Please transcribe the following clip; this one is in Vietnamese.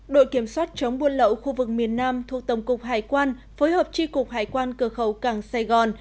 đội kiểm soát chống buôn lậu khu vực miền nam thuộc tổng cục hải quan phối hợp tri cục hải quan cửa khẩu cảng sài gòn